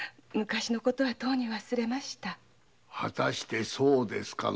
果たしてそうですかな？